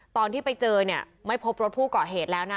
ตอนที่ไปเจอไม่พบรถผู้เกาะเหตุแล้วนะ